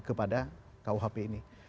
kepada kuhp ini